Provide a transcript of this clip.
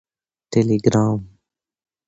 ټیلیګرام